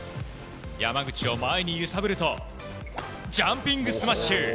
山口を前に揺さぶるとジャンピングスマッシュ！